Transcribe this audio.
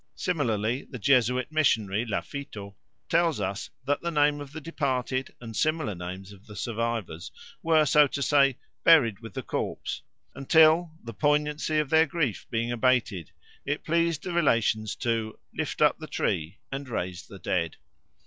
Similarly the Jesuit missionary Lafitau tells us that the name of the departed and the similar names of the survivors were, so to say, buried with the corpse until, the poignancy of their grief being abated, it pleased the relations "to lift up the tree and raise the dead."